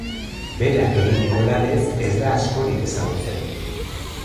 Berak eginiko lanez ez da askorik ezagutzen.